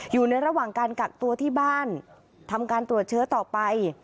อยู่ในระหว่างการกักตัวที่บ้านทำการตรวจเชื้อต่อไป